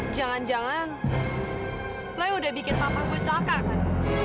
jangan jangan lo yang udah bikin papa gue sengakan